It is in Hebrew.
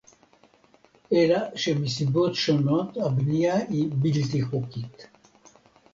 אלא שמסיבות שונות הבנייה היא בלתי חוקית